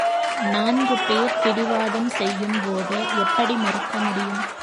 நான்கு பேர் பிடிவாதம் செய்யும்போது எப்படி மறுக்க முடியும்?